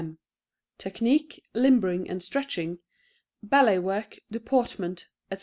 M. {Technique, Limbering and Stretching {Ballet Work, Deportment, Etc.